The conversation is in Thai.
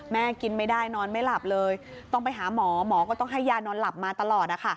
กินไม่ได้นอนไม่หลับเลยต้องไปหาหมอหมอก็ต้องให้ยานอนหลับมาตลอด